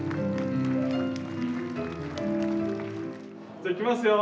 ・じゃいきますよ。